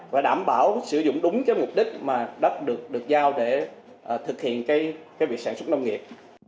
và đảm bảo sử dụng đúng cái mục đích mà đất được giao để thực hiện cái việc sản xuất nông nghiệp